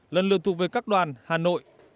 lần lượt thuộc về các đoàn hà nội